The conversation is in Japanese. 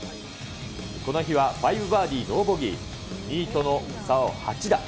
この日は５バーディーノーボギー、２位との差は８打。